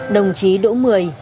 đồng chí đỗ mười